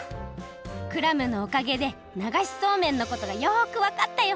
クラムのおかげでながしそうめんのことがよくわかったよ！